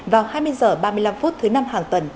vào hai mươi h ba mươi năm phút thứ năm hàng tuần